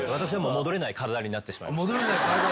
戻れない体になってしまった？